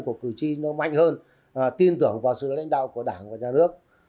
của cử tri nó mạnh hơn tin tưởng vào sự lãnh đạo của đảng và nhà nước